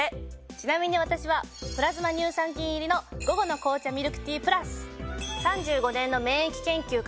ちなみに私はプラズマ乳酸菌入りの午後の紅茶ミルクティープラス。